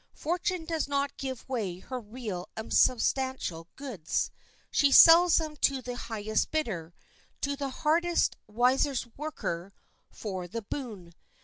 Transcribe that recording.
Fortune does not give away her real and substantial goods. She sells them to the highest bidder, to the hardest, wisest worker for the boon.